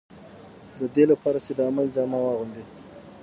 د دې لپاره چې د عمل جامه واغوندي.